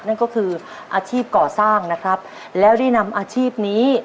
นั่นก็คืออาชีพก่อสร้างนะครับแล้วได้นำอาชีพนี้